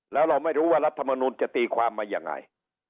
แล้วเราไม่รู้ว่ารัฐมนุนจะตีความมายังไง